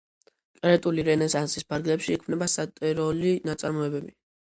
კრეტული რენესანსის ფარგლებში იქმნება სატირული ნაწარმოებები.